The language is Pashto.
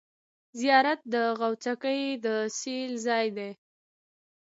زیارت یا غوڅکۍ د سېل ځای دی.